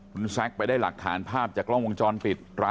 คุณแซคไปได้หลักฐานภาพจากกล้องวงจรปิด